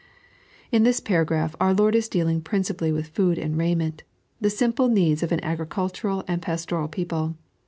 In this paragraph our Lord is dealing principally with food and raiment — the simple needs of an agricultural and pastoral people.